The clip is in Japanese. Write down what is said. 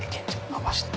のばして。